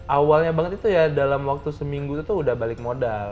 awalnya banget itu ya dalam waktu seminggu itu udah balik modal